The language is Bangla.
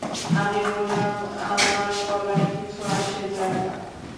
আমি বললাম, আমার বলায় কিছু আসে-যায় না।